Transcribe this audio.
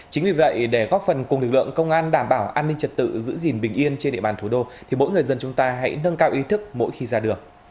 chính vì vậy để góp phần cùng lực lượng công an đảm bảo an ninh trật tự giữ gìn bình yên trên địa bàn thủ đô thì mỗi người dân chúng ta hãy nâng cao ý thức mỗi khi ra đường